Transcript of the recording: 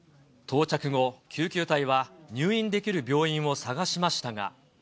到着後、救急隊は入院できる病院を探しましたが。